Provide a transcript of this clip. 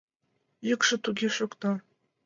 Йӱкшӧ туге шокта.